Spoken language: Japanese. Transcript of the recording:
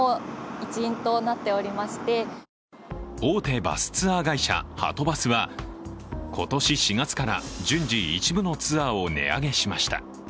大手バスツアー会社、はとバスは今年４月から一部のツアーを値上げしました。